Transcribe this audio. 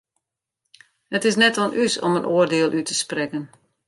It is net oan ús om in oardiel út te sprekken.